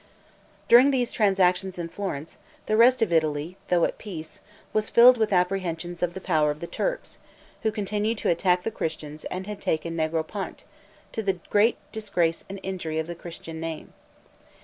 During these transactions in Florence, the rest of Italy, though at peace, was filled with apprehension of the power of the Turks, who continued to attack the Christians, and had taken Negropont, to the great disgrace and injury of the Christian name.